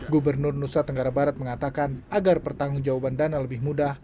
gubernur nusa tenggara barat mengatakan agar pertanggung jawaban dana lebih mudah